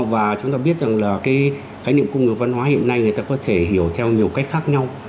và chúng ta biết rằng là cái khái niệm cung ngược văn hóa hiện nay người ta có thể hiểu theo nhiều cách khác nhau